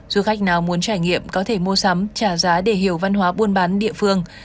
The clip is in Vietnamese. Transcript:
du khách nào muốn trải nghiệm có thể mua sắm trả giá để hiểu văn hóa buôn bán địa phương